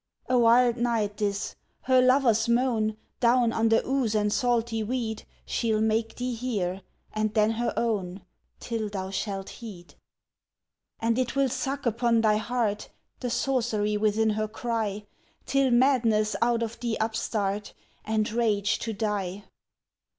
A wild night 'tis! her lover's moan, Down under ooze and salty weed, She'll make thee hear and then her own! Till thou shalt heed. And it will suck upon thy heart The sorcery within her cry Till madness out of thee upstart, And rage to die.